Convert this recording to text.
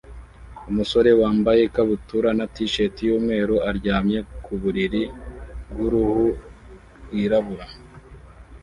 Umusore wambaye ikabutura na t-shirt yumweru aryamye ku buriri bwuruhu rwirabura